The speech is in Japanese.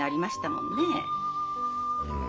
うん。